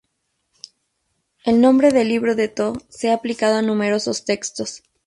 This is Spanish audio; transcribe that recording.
El nombre de Libro de Thot se ha aplicado a numerosos textos.